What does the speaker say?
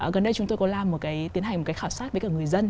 gần đây chúng tôi có làm một cái tiến hành một cái khảo sát với cả người dân